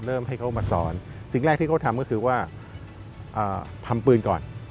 ให้เขามาสอนสิ่งแรกที่เขาทำก็คือว่าทำปืนก่อน